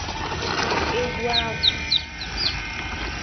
egwu agwụ